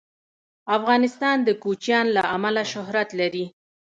افغانستان د کوچیان له امله شهرت لري.